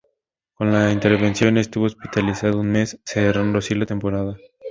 Con la intervención estuvo hospitalizado un mes, cerrando así la temporada.